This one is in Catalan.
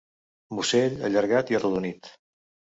Musell allargat i arrodonit.